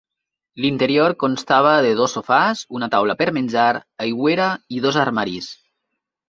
L'interior constava de dos sofàs, una taula per menjar, aigüera i dos armaris.